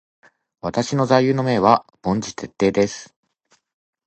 私の座右の銘は凡事徹底です。